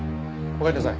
おかえりなさい。